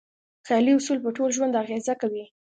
خیالي اصول په ټول ژوند اغېزه کوي.